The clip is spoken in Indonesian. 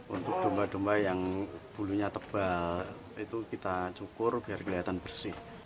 untuk domba domba yang bulunya tebal itu kita cukur biar kelihatan bersih